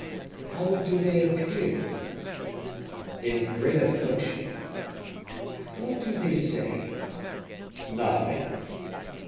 "How do they appear?" "In great affliction." "What do they say?" "Nothing."